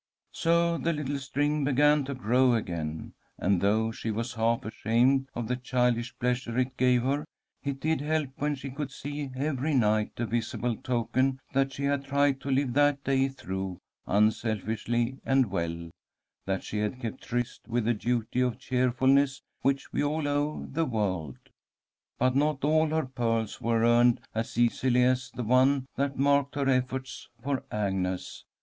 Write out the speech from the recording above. So the little string began to grow again, and, though she was half ashamed of the childish pleasure it gave her, it did help when she could see every night a visible token that she had tried to live that 'day through unselfishly and well, that she had kept tryst with the duty of cheerfulness which we all owe the world. [Illustration: "SHE RODE OVER TO ROLLINGTON"] But not all her pearls were earned as easily as the one that marked her efforts for Agnes.